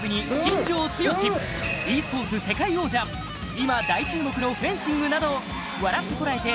今大注目のフェンシングなど『笑ってコラえて！』